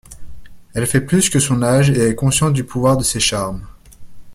Elle fait plus que son âge et est consciente du pouvoir de ses charmes.